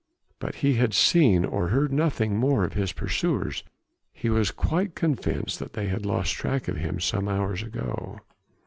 But he had seen or heard nothing more of his pursuers; he was quite convinced that they had lost track of him some hours ago.